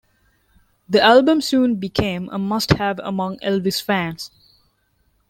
The album soon became a must-have among Elvis fans.